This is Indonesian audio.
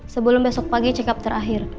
sebelum besok pagi check up terakhir